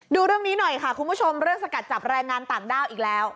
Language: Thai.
ดูเรื่องนี้หน่อยค่ะคุณผู้ชมเรื่องสกัดจับแรงงานต่างด้าวอีกแล้ว